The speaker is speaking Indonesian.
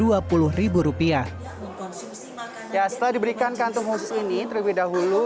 ya setelah diberikan kantung khusus ini terlebih dahulu